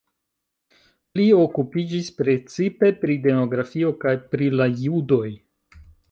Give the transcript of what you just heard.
Li okupiĝis precipe pri demografio kaj pri la judoj.